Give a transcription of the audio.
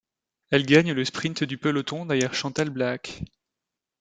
Elle gagne le sprint du peloton derrière Chantal Blaak.